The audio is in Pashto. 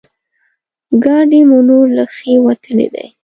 ګاډی مو نور له ښې وتلی دی.